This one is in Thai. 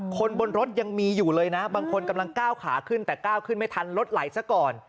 คนบนรถยังมีอยู่เลยนะบางคนกำลังก้าวขาขึ้นแต่ก้าวขึ้นไม่ทันรถไหลซะก่อน